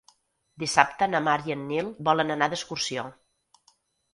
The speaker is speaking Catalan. Dissabte na Mar i en Nil volen anar d'excursió.